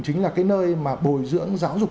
chính là cái nơi mà bồi dưỡng giáo dục